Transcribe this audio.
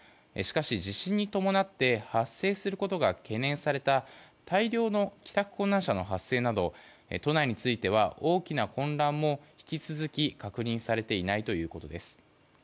しかし、地震に伴って発生することが懸念された大量の帰宅困難者の発生など都内については大きな混乱も引き続き確認されていないということです。